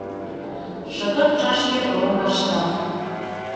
Шыгыр чашкер лоҥгаштат